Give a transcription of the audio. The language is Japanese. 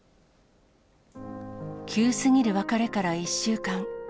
急すぎる別れから１週間。